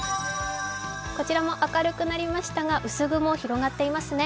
こちらも明るくなりましたが、薄雲広がっていますね。